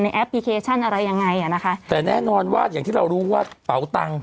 แอปพลิเคชันอะไรยังไงอ่ะนะคะแต่แน่นอนว่าอย่างที่เรารู้ว่าเป๋าตังค์